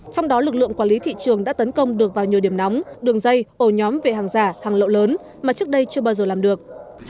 trong đó lực lượng quản lý thị trường đã tấn công được vào nhiều điểm nóng đường dây ổ nhóm vệ hàng giả hàng lậu lớn mà trước đây chưa bao giờ làm được